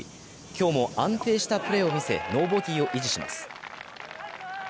今日も安定したプレーを見せ、ノーボギーを維持します。